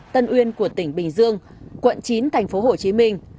tân uyên của tỉnh bình dương quận chín thành phố hồ chí minh